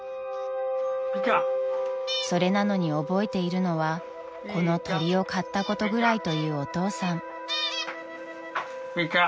［それなのに覚えているのはこの鳥を買ったことぐらいというお父さん］